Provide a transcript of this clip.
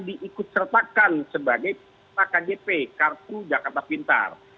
dikut sertakan sebagai pak kgp kartu jakarta pintar